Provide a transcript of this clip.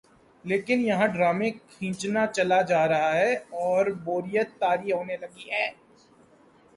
لیکن یہاں ڈرامہ کھنچتا چلا جارہاہے اوربوریت طاری ہونے لگی ہے۔